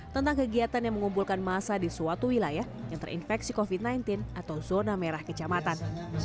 tentang kegiatan yang mengumpulkan masa di suatu wilayah yang terinfeksi covid sembilan belas atau zona merah kecamatan